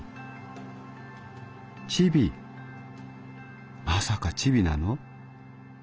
『チビ・・まさかチビなの？』